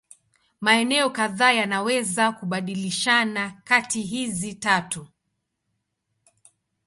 Maeneo kadhaa yanaweza kubadilishana kati hizi tatu.